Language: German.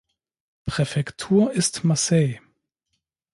Präfektur ist Marseille.